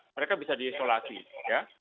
mereka bisa diisolasi ya